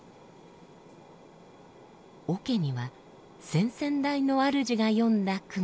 桶には先々代のあるじが詠んだ句が。